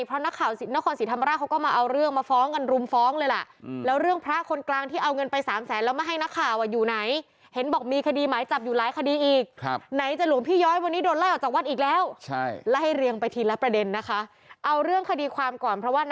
เพราะนักข่าวนครศรีธรรมราชเขาก็มาเอาเรื่องมาฟ้องกันรุมฟ้องเลยล่ะ